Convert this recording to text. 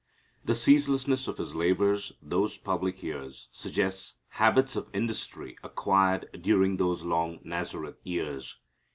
The ceaselessness of His labors those public years suggests habits of industry acquired during those long Nazareth years.